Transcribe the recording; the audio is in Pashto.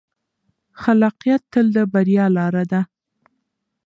خلاقیت تل د بریا لاره ده.